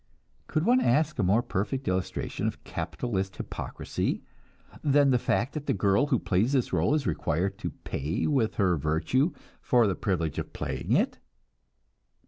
Could one ask a more perfect illustration of capitalist hypocrisy than the fact that the girl who plays this role is required to pay with her virtue for the privilege of playing it!